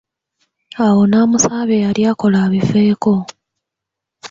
Awo n'amusaba bye yali akola abiveeko.